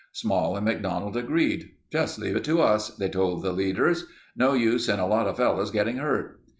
Small and McDonald agreed. "Just leave it to us," they told the leaders. "No use in a lotta fellows getting hurt."